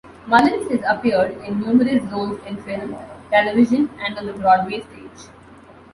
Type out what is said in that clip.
Mullins has appeared in numerous roles in film, television and on the Broadway stage.